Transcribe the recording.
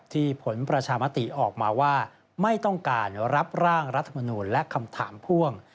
ผลประชามติออกมาว่าไม่ต้องการรับร่างรัฐมนูลและคำถามพ่วง